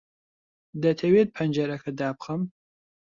دەتەوێت پەنجەرەکە دابخەم؟